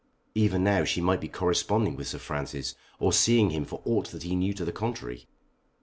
Even now she might be corresponding with Sir Francis or seeing him for aught that he knew to the contrary.